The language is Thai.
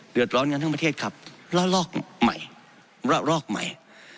เดือดร้อนกันทั้งประเทศครับละลอกใหม่ระลอกใหม่